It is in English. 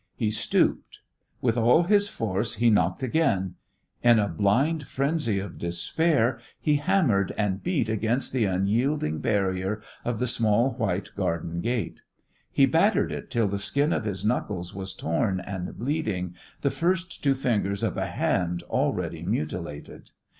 He stooped. With all his force he knocked again; in a blind frenzy of despair he hammered and beat against the unyielding barrier of the small, white garden gate. He battered it till the skin of his knuckles was torn and bleeding the first two fingers of a hand already mutilated.